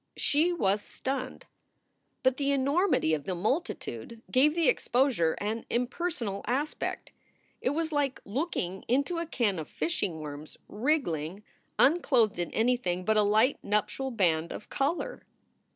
She was stunned. But the enormity of the multi tude gave the exposure an impersonal aspect. It was like looking into a can of fishing worms wriggling unclothed in anything but a light nuptial band of color.